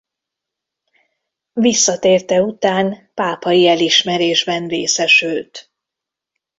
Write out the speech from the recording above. Visszatérte után pápai elismerésben részesült.